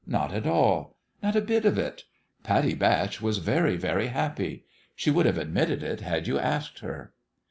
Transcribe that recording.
Not at all ! Not a bit of it ! Pattie Batch was very, very happy. She would have admitted it had you asked her.